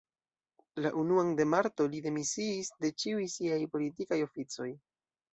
La unuan de marto li demisiis de ĉiuj siaj politikaj oficoj.